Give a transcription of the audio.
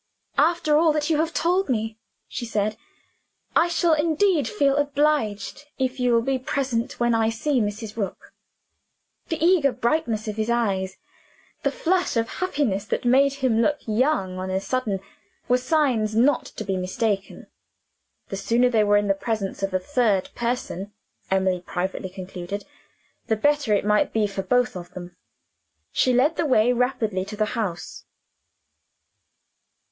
"After all that you have told me," she said, "I shall indeed feel obliged if you will be present when I see Mrs. Rook." The eager brightening of his eyes, the flush of happiness that made him look young on a sudden, were signs not to be mistaken. The sooner they were in the presence of a third person (Emily privately concluded) the better it might be for both of them. She led the way rapidly to the house.